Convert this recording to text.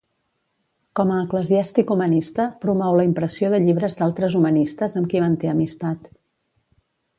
Com a eclesiàstic humanista, promou la impressió de llibres d'altres humanistes amb qui manté amistat.